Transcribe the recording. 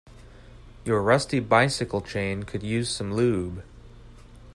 Your rusty bicycle chain could use some lube.